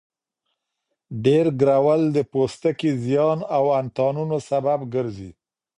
ډېر ګرول د پوستکي زیان او انتاناتو سبب ګرځي.